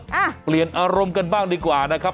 อ่ะเปลี่ยนอารมณ์กันบ้างดีกว่านะครับ